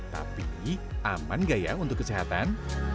tapi aman gak ya untuk kesehatan